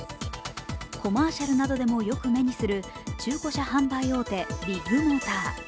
コマーシャルなどでもよく目にする中古車販売大手・ビッグモーター。